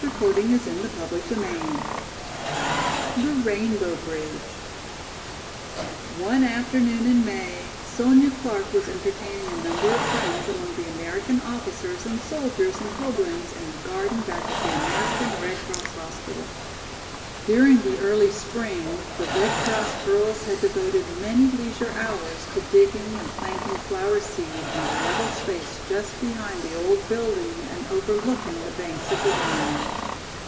Goodby." CHAPTER XXI The Rainbow Bridge ONE afternoon in May, Sonya Clark was entertaining a number of friends among the American officers and soldiers in Coblenz in the garden back of the American Red Cross hospital. During the early spring the Red Cross girls had devoted many leisure hours to digging and planting flower seed on the level space just behind the old building and overlooking the banks of the Rhine.